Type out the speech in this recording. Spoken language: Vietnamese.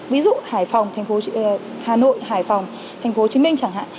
ví dụ hà nội hải phòng thành phố hồ chí minh chẳng hạn